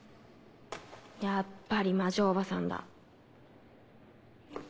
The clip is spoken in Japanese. やっぱり魔女おばさんだ。